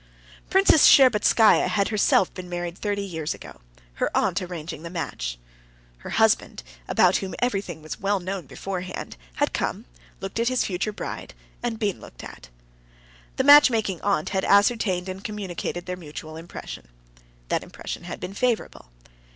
Princess Shtcherbatskaya had herself been married thirty years ago, her aunt arranging the match. Her husband, about whom everything was well known beforehand, had come, looked at his future bride, and been looked at. The matchmaking aunt had ascertained and communicated their mutual impression. That impression had been favorable.